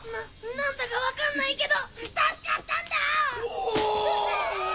何だか分からないけど助かったんだ！